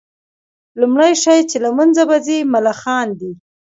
لومړى شى چي له منځه به ځي ملخان دي